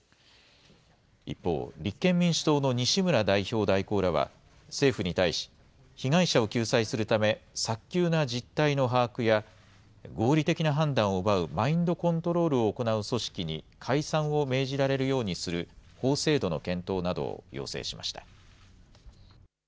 一方、立憲民主党の西村代表代行らは、政府に対し、被害者を救済するため、早急な実態の把握や、合理的な判断を奪うマインドコントロールを行う組織に解散を命じられるようにする法制度の検討などを要請しました。